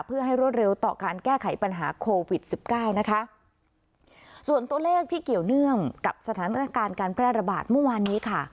เพื่อให้รวดเร็วต่อการแก้ไขปัญหาโควิดสิบเก้านะคะส่วนตัวเลขที่เกี่ยวเนื่องกับสถานการณ์การแพร่ระบาดเมื่อวานนี้ค่ะ